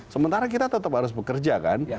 sementara kita tetap harus bekerja kan